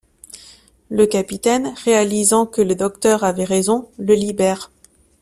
Le capitaine, réalisant que le Docteur avait raison, le libère.